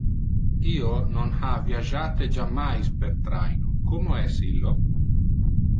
Io non ha viagiate jammais per traino, como es illo?